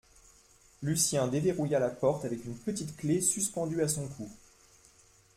Lucien déverrouilla la porte avec une petite clé suspendue à son cou.